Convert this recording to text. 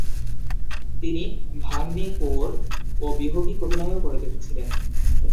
তিনি “ভাঙনি কোওর” ও “বিহগি কবি” নামেও পরিচিত ছিলেন।